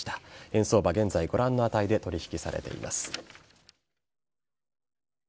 円相場、現在ご覧の値で取引されています。